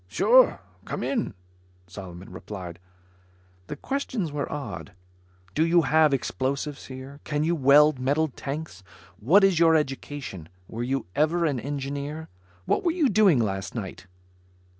"Sure, come in," Solomon replied. The questions were odd: Do you have explosives here? Can you weld metal tanks? What is your education? Were you ever an engineer? What were you doing last night?